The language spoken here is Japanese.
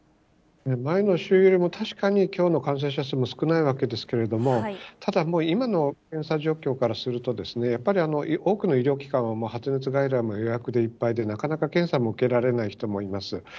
前の週よりも確かにきょうの感染者数は少ないわけですけれども、ただもう、今の検査状況からするとですね、やっぱり多くの医療機関は、発熱外来も予約でいっぱいで、なかなか検査も受けられない人もいます。